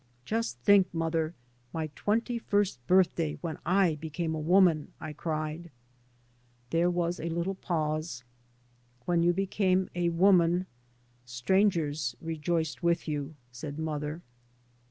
" Just think, mother, my twenty first birth day when I became a woman 1 " I cried. There was a little pause. " When you became a woman — strangers rejoiced with you," said mother.